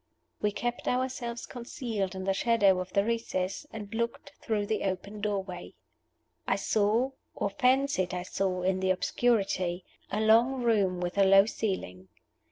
We kept ourselves concealed in the shadow of the recess, and looked through the open doorway. I saw (or fancied I saw, in the obscurity) a long room with a low ceiling.